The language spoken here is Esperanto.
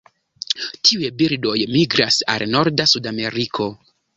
Tiuj birdoj migras al norda Sudameriko.